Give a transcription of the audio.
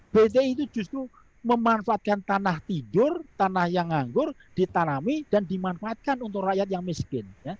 bdi itu justru memanfaatkan tanah tidur tanah yang anggur ditanami dan dimanfaatkan untuk rakyat yang miskin